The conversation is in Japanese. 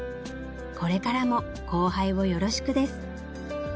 これからも後輩をヨロシクです」